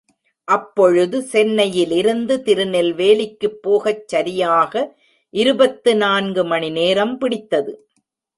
அப்பொழுது சென்னையிலிருந்து திருநெல்வேலிக்குப் போகச் சரியாக இருபத்து நான்கு மணிநேரம் பிடித்தது.